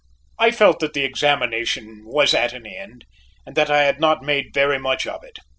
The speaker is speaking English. I felt that the examination was at an end, and that I had not made very much of it.